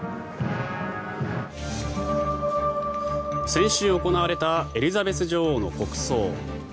先週行われたエリザベス女王の国葬。